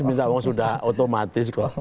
minta sudah otomatis kok